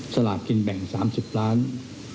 สถาบินแบ่ง๓๐ล้านตะลัย